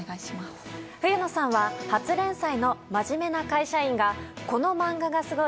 冬野さんは初連載の「まじめな会社員」がこの漫画がすごい！